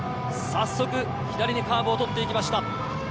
早速、左にカーブをとっていきました。